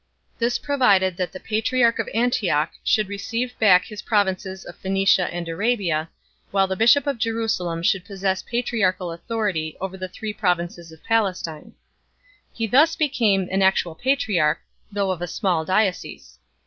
This provided that the patriarch of Antioch should receive back his provinces of Phoenicia and Arabia, while the bishop of Jerusalem should possess patriarchal authority over the three provinces of Palestine. He thus became an actual patriarch, though of a small diocese.